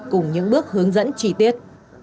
cùng những bước hướng dẫn trí tiết